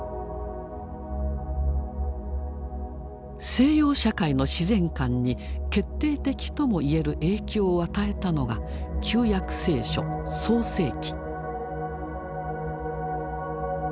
西洋社会の自然観に決定的とも言える影響を与えたのが「旧約聖書創世記」。